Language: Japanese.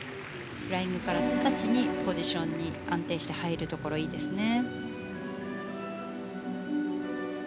フライングからポジションに安定して入るところいいですね。